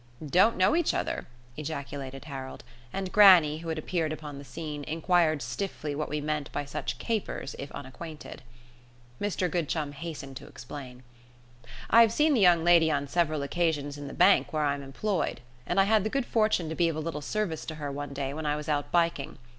"Don't know each other!" ejaculated Harold; and grannie, who had appeared upon the scene, inquired stiffly what we meant by such capers if unacquainted. Mr Goodchum hastened to explain. "I have seen the young lady on several occasions in the bank where I am employed, and I had the good fortune to be of a little service to her one day when I was out biking.